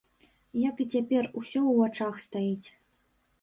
Як і цяпер усё ў вачах стаіць.